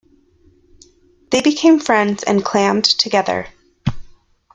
They became friends and clammed together.